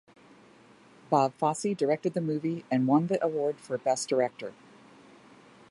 Bob Fosse directed the movie and won the award for Best Director.